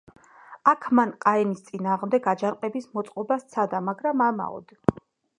აქ მან ყაენის წინააღმდეგ აჯანყების მოწყობა სცადა, მაგრამ ამაოდ.